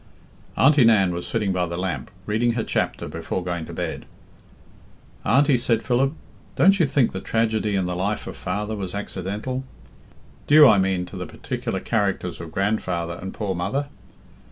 Auntie Nan was sitting by the lamp, reading her chapter before going to bed. "Auntie," said Philip, "don't you think the tragedy in the life of father was accidental? Due, I mean, to the particular characters of grandfather and poor mother?